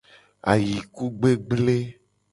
Ayikugbegble.